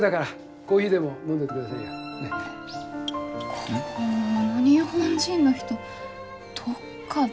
この日本人の人どっかで。